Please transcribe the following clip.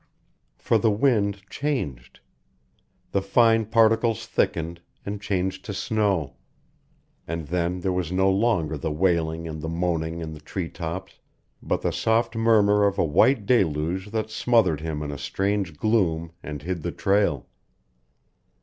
For the wind changed. The fine particles thickened, and changed to snow. And then there was no longer the wailing and the moaning in the tree tops, but the soft murmur of a white deluge that smothered him in a strange gloom and hid the trail.